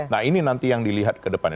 nah ini nanti yang dilihat ke depannya